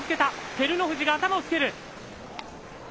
照ノ富士が頭をつける。